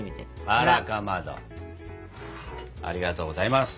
ありがとうございます。